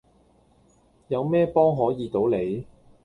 有咩幫可以到你?